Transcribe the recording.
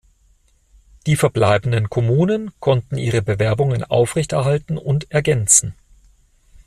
Die verbleibenden Kommunen konnten ihre Bewerbungen aufrechterhalten und ergänzen.